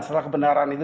setelah kebenaran itu